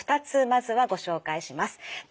２つまずはご紹介します。